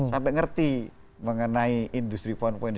sampai ngerti mengenai industri empat